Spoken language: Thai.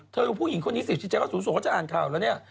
เธอผู้หญิงคนนี้สิจิตใจเขาสูงเขาจะอ่านข่าวแล้วเนี่ย